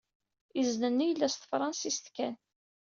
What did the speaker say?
Izen-nni yella s tefṛensist.